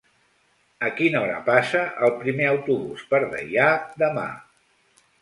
A quina hora passa el primer autobús per Deià demà?